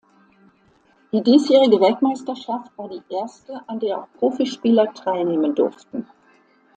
Die diesjährige Weltmeisterschaft war die erste, an der auch Profispieler teilnehmen durften.